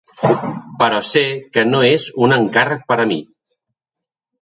Però sé que no és un encàrrec per a mi.